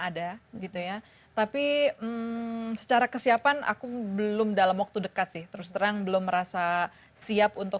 ada gitu ya tapi secara kesiapan aku belum dalam waktu dekat sih terus terang belum merasa siap untuk